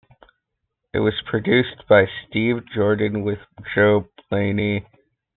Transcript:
It was produced by Steve Jordan with Joe Blaney.